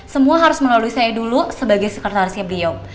semua harus melalui saya dulu sebagai sekretaris yang beliau